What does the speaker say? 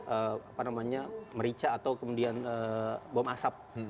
apa namanya merica atau kemudian bom asap